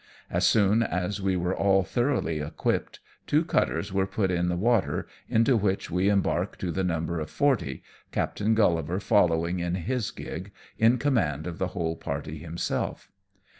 As soon as we are all thoroughly equipped, two cutters are put in the water, into which we embark to the number of forty, Captain Grullivar following in his gig, in command of the whole party himself.